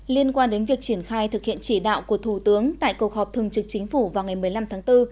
liên quan đến việc triển khai thực hiện chỉ đạo của thủ tướng tại cuộc họp thường trực chính phủ vào ngày một mươi năm tháng bốn